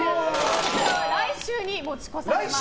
これは来週に持ち越されます。